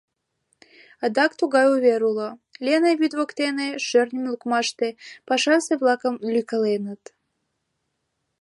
Адак тугай увер уло: Лена вӱд воктене, шӧртньым лукмаште, пашазе-влакым лӱйкаленыт.